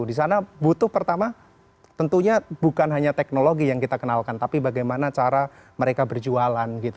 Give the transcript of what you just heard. di sana butuh pertama tentunya bukan hanya teknologi yang kita kenalkan tapi bagaimana cara mereka berjualan gitu